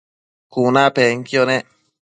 cunapenquio nec